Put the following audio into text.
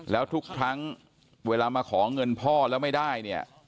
แล้วทุกครั้งเวลามาขอเงินพ่อแล้วไม่ได้เนี่ย